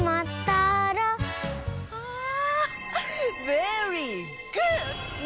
ベリーグー！